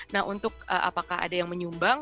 nah untuk apakah ada yang menyumbang